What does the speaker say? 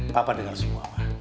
papa dengar semua ma